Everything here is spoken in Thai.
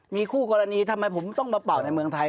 มีคู่กรณีทำไมผมต้องมาเป่าในเมืองไทย